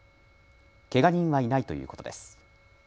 けが人はいないということです。